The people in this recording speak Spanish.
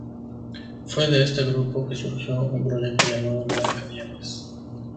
Fue de este grupo que surgió un proyecto llamado "Blanca Nieves".